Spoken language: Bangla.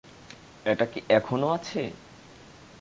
এটা কি এখনও আছে?